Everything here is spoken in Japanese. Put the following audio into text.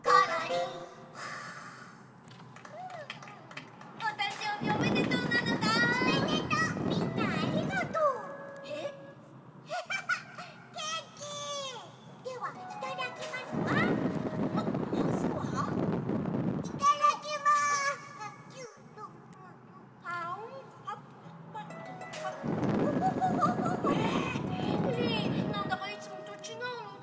リンなんだかいつもとちがうのだ。